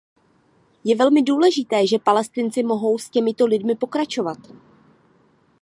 Je velmi důležité, že Palestinci mohou s těmito lidmi pokračovat.